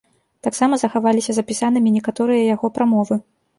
Таксама захаваліся запісанымі некаторыя яго прамовы.